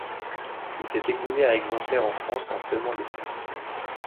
Il s'est écoulé à exemplaires en France, en seulement deux semaines.